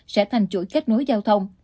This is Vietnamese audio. sẽ thành chuỗi kết nối giao thông